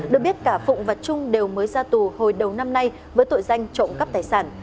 được biết cả phụng và trung đều mới ra tù hồi đầu năm nay với tội danh trộm cắp tài sản